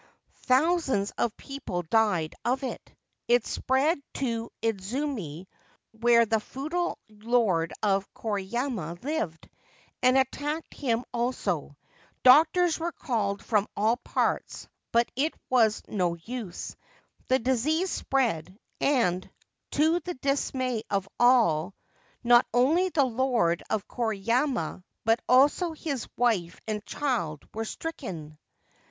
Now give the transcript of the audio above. Thousands of people died of it. It spread to Idzumi, where the feudal Lord of Koriyama lived, and attacked him also. Doctors were called from all parts ; but it was no use. The disease spread, and, to the dismay of all, 267 Ancient Tales and Folklore of Japan not only the Lord of Koriyama but also his wife and child were stricken.